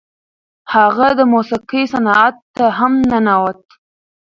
هغه د موسیقۍ صنعت ته هم ننوت.